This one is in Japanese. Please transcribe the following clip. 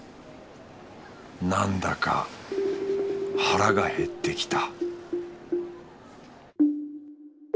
なんだか腹が減ってきた